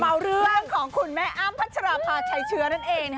เปล่าเรื่องของคุณแม่อ้ามพัชดาภาษาไฉเชียวนั่นเอง